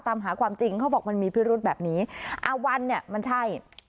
ตามหาความจริงเขาบอกมันมีพิรุธแบบนี้อาวันเนี่ยมันใช่